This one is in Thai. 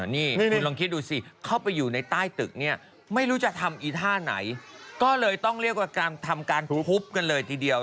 นี่คุณลองคิดดูสิเข้าไปอยู่ในใต้ตึกเนี่ยไม่รู้จะทำอีท่าไหนก็เลยต้องเรียกว่าทำการทุบกันเลยทีเดียว